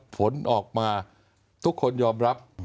ผลออกมาทุกคนยอมรับ